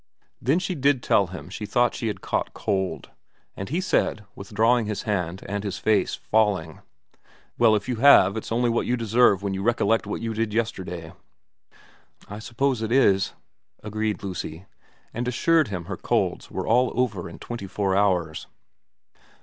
Then she did tell him she thought she had caught cold, and he said, withdrawing his hand and his face falling, ' Well, if you have it's only what you deserve when you recollect what you did yesterday.' * I suppose it is,' agreed Lucy ; and assured him her colds were all over in twenty four hours.